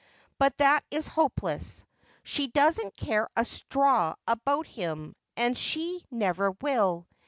But that is hopeless. She doesn't care a straw about him, and she never will.